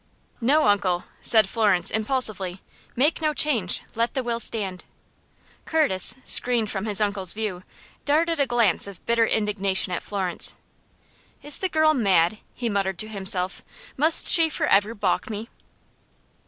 "No, uncle," said Florence, impulsively, "make no change; let the will stand." Curtis, screened from his uncle's view, darted a glance of bitter indignation at Florence. "Is the girl mad?" he muttered to himself. "Must she forever balk me?"